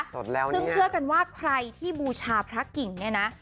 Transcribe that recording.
ซึ่งเชื่อกันว่าใครที่บูชาพระกิ่งเนี่ยนะ